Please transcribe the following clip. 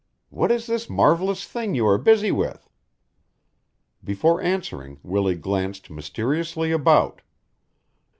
What is this marvellous thing you are busy with?" Before answering, Willie glanced mysteriously about.